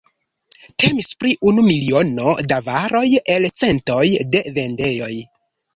Temis pri unu miliono da varoj el centoj da vendejoj.